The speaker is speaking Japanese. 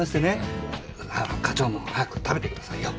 課長も早く食べてくださいよ。